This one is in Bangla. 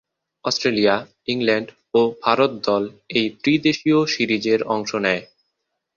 অস্ট্রেলিয়া, ইংল্যান্ড ও ভারত দল এই ত্রি-দেশীয় সিরিজে অংশ নেয়।